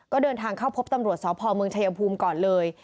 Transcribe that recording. ก็เดินทางเข้าพบตำรวจสพเมืองชายภูมิก่อนเลย